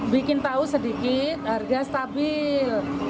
bikin tahu sedikit harga stabil